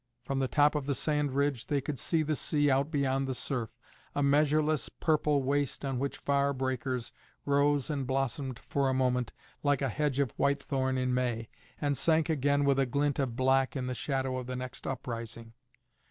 From the top of the sand ridge they could see the sea out beyond the surf a measureless purple waste on which far breakers rose and blossomed for a moment like a hedge of whitethorn in May, and sank again with a glint of black in the shadow of the next uprising.